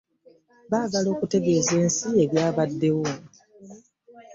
Baagala okutegeeza ensi ebyabaddewo.